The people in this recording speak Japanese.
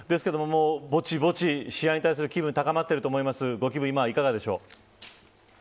ぼちぼち試合に対する気分が高まってると思いますがいかがですか。